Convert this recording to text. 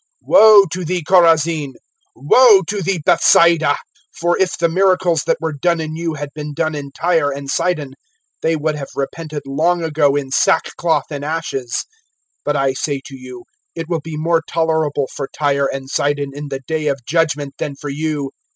(21)Woe to thee, Chorazin! Woe to thee, Bethsaida! For if the miracles, that were done in you, had been done in Tyre and Sidon, they would have repented long ago in sackcloth and ashes. (22)But I say to you, it will be more tolerable for Tyre and Sidon in the day of judgment, than for you.